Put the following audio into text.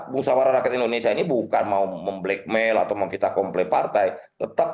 musawarah rakyat indonesia ini bukan mau memblakmail atau memfitakomple partai tetap